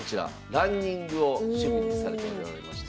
ランニングを趣味にされておりまして。